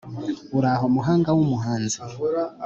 Uraho muhanga w'umuhanzi